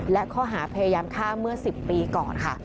และข้อหาพยายามฆ่าเมื่อ๑๐ปีก่อนค่ะ